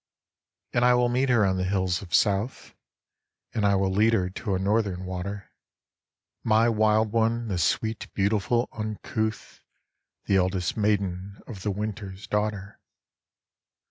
And I will meet her on the hills of South, And I will lead her to a northern water, 42 A SONG OF APRIL 43 My wild one, the sweet beautiful uncouth, The eldest maiden of the Winter's daughter.